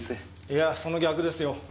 いやその逆ですよ。